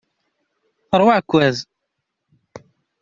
Terwa aɛekkaz.